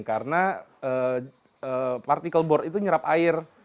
karena particle board itu nyerap air